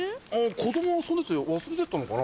子供が遊んでて忘れてったのかな？